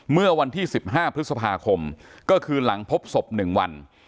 เมื่อวันที่สิบห้าพฤษภาคมก็คือหลังพบศพหนึ่งวัน